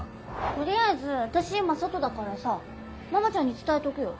とりあえず私今外だからさママちゃんに伝えとくよ。